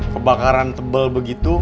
kebakaran tebal begitu